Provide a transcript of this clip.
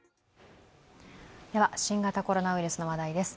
新型コロナウイルスの話題です。